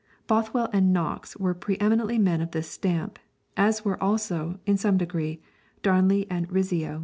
Bothwell and Knox were pre eminently men of this stamp; as were also, in some degree, Darnley and Rizzio.